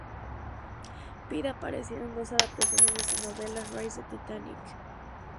Pitt ha aparecido en dos adaptaciones de sus novelas: "Raise the Titanic!